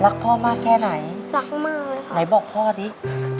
หลังจากนั้นหลังจากนั้นห